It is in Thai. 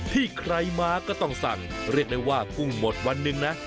ที่ใครมาก็ต้องสั่งเรียกได้ว่ากุ้งหมดวันหนึ่งนะ